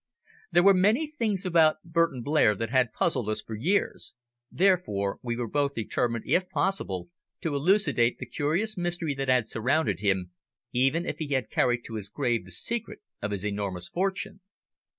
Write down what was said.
There were many things about Burton Blair that had puzzled us for years, therefore we were both determined, if possible, to elucidate the curious mystery that had surrounded him, even if he had carried to his grave the secret of his enormous fortune.